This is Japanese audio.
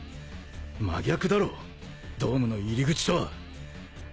真逆だろドームの入り口とは。